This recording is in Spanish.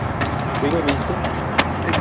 ¿tú bebiste?